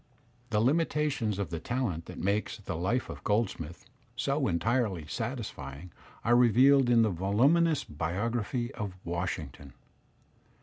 The limitations of the talent that makes the "Life of Goldsmith" so entirely satisfying are revealed in the volu minous biography of Washington.